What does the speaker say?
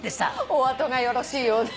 お後がよろしいようで。